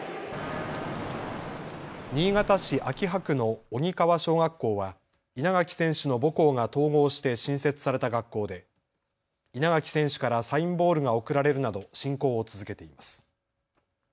新潟市秋葉区の荻川小学校は稲垣選手の母校が統合して新設された学校で稲垣選手からサインボールが贈られるなど親交を続けています。